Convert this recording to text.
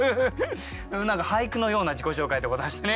何か俳句のような自己紹介でございましたね。